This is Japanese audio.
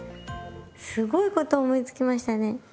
すごいことを思いつきましたね。